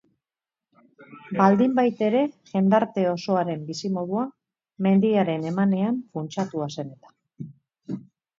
Baldinbaitere, jendarte osoaren bizimodua mendiaren emanean funtsatua zen eta.